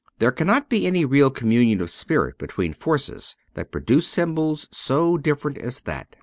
There cannot be any real community of spirit between forces that produced symbols so different as that.